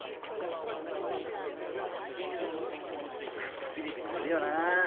何かピリピリするよな。